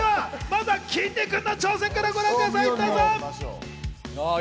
まずは、きんに君の挑戦からご覧ください。